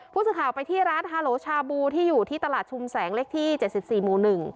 ผู้สื่อข่าวไปที่ร้านฮาโหลชาบูที่อยู่ที่ตลาดชุมแสงเลขที่๗๔หมู่๑